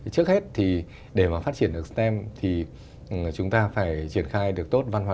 trước hết thì để mà phát triển được stem thì chúng ta phải triển khai được tốt văn hóa